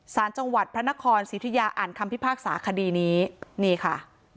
สารจังหวัดพระนครสิทธิยาอ่านคำพิพากษาคดีนี้นี่ค่ะ